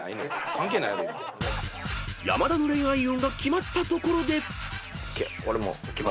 ［山田の恋愛運が決まったところで］